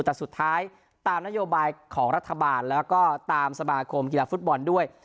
แต่สุดท้ายตามนโยบายของรัฐบาลแล้วก็ตามสมาคมกีฬาฟุตบอลด้วย